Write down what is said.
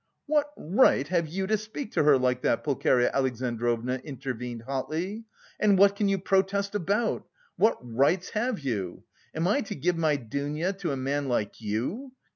"What right have you to speak to her like that?" Pulcheria Alexandrovna intervened hotly. "And what can you protest about? What rights have you? Am I to give my Dounia to a man like you?